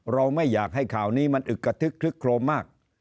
เราไม่อยากให้ข่าวนี้มันอึกกระทึกคลึกโครมมาก